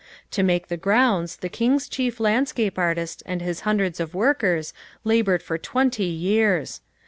To make the grounds the King's chief landscape artist and his hundreds of workers laboured for twenty years.